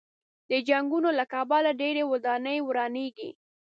د جنګونو له کبله ډېرې ودانۍ ورانېږي.